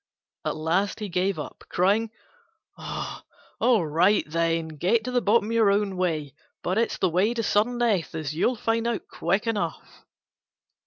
At last he gave up, crying, "All right, then, get to the bottom your own way; but it's the way to sudden death, as you'll find out quick enough."